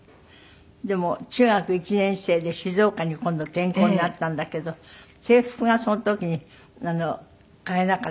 でも中学１年生で静岡に今度転校になったんだけど制服がその時に買えなかった？